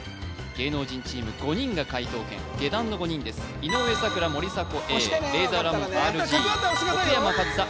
芸能人チーム５人が解答権下段の５人です井上咲楽森迫永依レイザーラモンＲＧ奥山かずさ